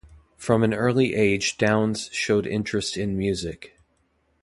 From an early age Downs showed interest in music.